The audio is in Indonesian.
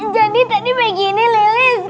jadi tadi begini lelis